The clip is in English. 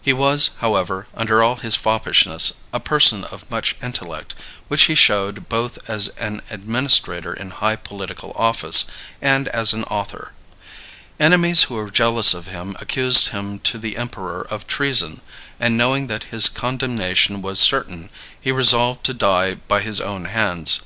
He was, however, under all his foppishness, a person of much intellect, which he showed both as an administrator in high political office and as an author. Enemies who were jealous of him accused him to the emperor of treason; and, knowing that his condemnation was certain, he resolved to die by his own hands.